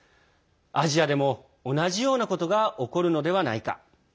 アジアでも同じようなことが起こるのではないか。